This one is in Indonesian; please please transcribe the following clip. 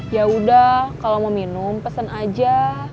yaudah kalo mau minum pesen aja